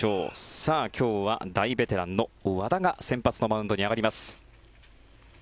さあ、今日は大ベテランの和田が先発のマウンドに上がります。